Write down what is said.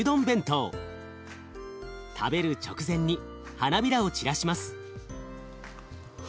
食べる直前に花びらを散らします。